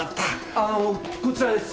あのこちらです。